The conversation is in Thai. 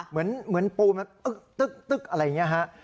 เหมือนปูนมันอึ๊กอะไรอย่างนี้ฮะ